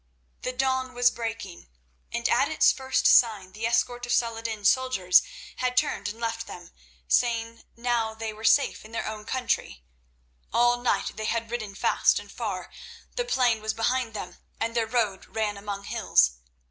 The dawn was breaking, and at its first sign the escort of Saladin's soldiers had turned and left them, saying that now they were safe in their own country. All night they had ridden fast and far. The plain was behind them, and their road ran among hills.